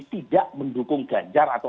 tidak mendukung ganjar atau